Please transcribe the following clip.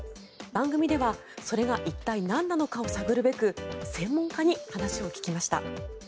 番組では、それが一体、なんなのかを探るべく専門家に話を聞きました。